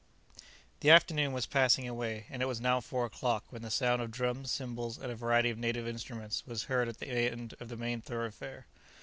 The afternoon was passing away, and it was now past four o'clock, when the sound of drums, cymbals, and a variety of native instruments was heard at the end of the main thoroughfare.